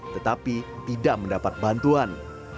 tetapi tidak mendapat bantuan